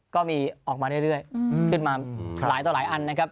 ก็มีออกมาเรื่อยขึ้นมาหลายต่อหลายอันนะครับ